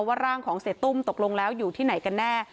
ร่างของเสียตุ้มตกลงแล้วอยู่ที่ไหนกันแน่